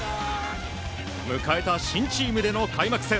迎えた新チームでの開幕戦。